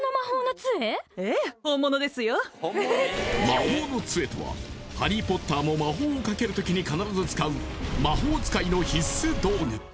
魔法の杖とはハリー・ポッターも魔法をかける時に必ず使う魔法使いの必須道具！